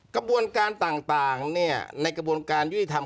กระบวนการต่างในกระบวนการยุติธรรม